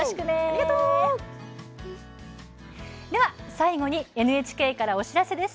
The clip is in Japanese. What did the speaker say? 最後にＮＨＫからお知らせです。